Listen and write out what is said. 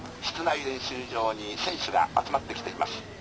室内練習場に選手が集まってきています。